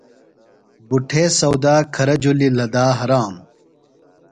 بُٹھے سودا کھرہ جُھلیۡ لھدا ہرانوۡ۔